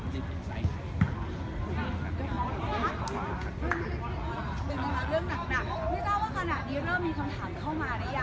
หาพนันนี้เริ่มมีคำถามเข้ามาแล้วยังไหมคะ